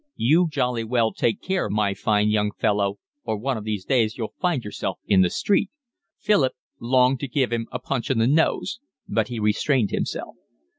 "You jolly well take care, my fine young fellow, or one of these days you'll find yourself in the street." Philip longed to give him a punch on the nose, but he restrained himself.